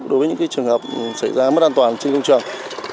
đối với những trường hợp xảy ra mất an toàn trên công trường